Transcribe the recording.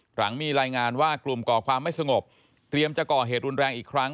หลังมีรายงานว่ากลุ่มก่อความไม่สงบเตรียมจะก่อเหตุรุนแรงอีกครั้ง